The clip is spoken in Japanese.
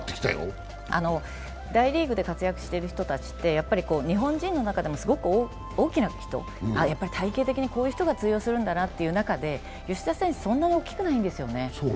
大リーグで活躍してる人たちって日本人の中でもすごく大きな人、やっぱり体型的にこういう人が通用するんだなという中で吉田選手、そんなに大きくないんですよね。